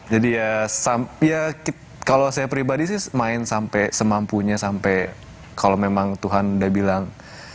jadi ya kalau saya pribadi sih main sampai semampunya sampai kalau memang tuhan udah bilang